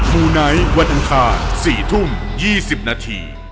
สวัสดีครับ